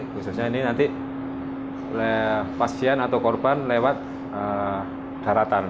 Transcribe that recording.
khususnya ini nanti oleh pasien atau korban lewat daratan